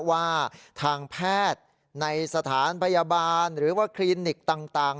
ว่าทางแพทย์ในสถานพยาบาลหรือว่าคลินิกต่าง